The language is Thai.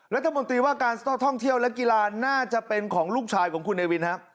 รัฐมนตรีว่าการท่องเที่ยวและกีฬาน่าจะเป็นของลูกชายของคุณเนวินครับ